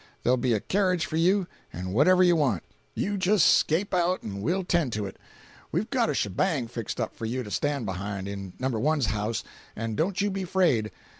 There'll be a kerridge for you; and whatever you want, you just 'scape out and we'll 'tend to it. We've got a shebang fixed up for you to stand behind, in No. 1's house, and don't you be afraid.